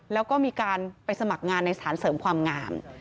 แล้วก็มีการไปสมัครงานในสถานเสริมความงาม